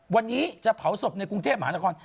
วันนี้จะเผาศพในกรุงเทพฯหลังจากก่อน